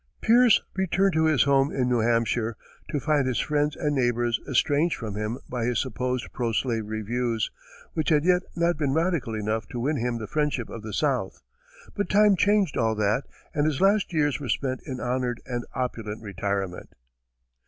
Pierce returned to his home in New Hampshire, to find his friends and neighbors estranged from him by his supposed pro slavery views, which had yet not been radical enough to win him the friendship of the South; but time changed all that, and his last years were spent in honored and opulent retirement.